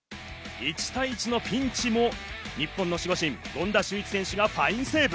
１対１のピンチも日本の守護神・権田修一選手がファインセーブ。